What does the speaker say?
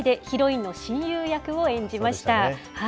ヒロインの親友役を演じました。